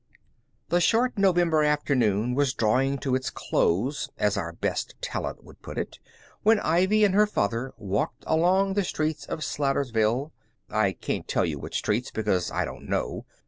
The short November afternoon was drawing to its close (as our best talent would put it) when Ivy and her father walked along the streets of Slatersville. (I can't tell you what streets, because I don't know.)